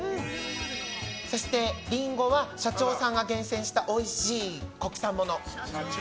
そして、リンゴは社長さんが厳選したおいしい国産もの。